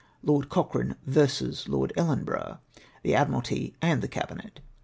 Lord Cochrane versus Lord Ellenborough, the Admi ralty, and the Cabinet.